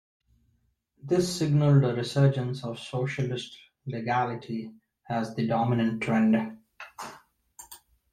This signaled a resurgence of socialist legality as the dominant trend.